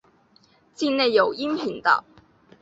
境内有阴平道。